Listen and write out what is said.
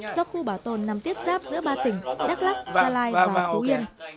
do khu bảo tồn nằm tiếp xác giữa ba tỉnh đắk lắk gia lai và phú yên